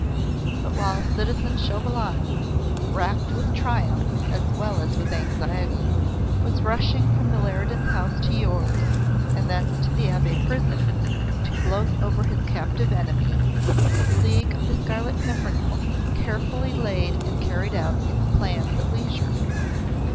But while citizen Chauvelin, racked with triumph as well as with anxiety, was rushing from the Leridans' house to yours, and thence to the Abbaye prison, to gloat over his captive enemy, the League of the Scarlet Pimpernel carefully laid and carried out its plans at leisure.